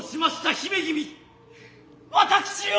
姫君私を。